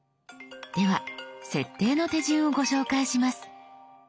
では設定の手順をご紹介します。